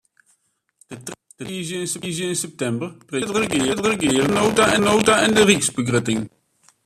De tredde tiisdeis yn septimber presintearret it regear de miljoenenota en de ryksbegrutting.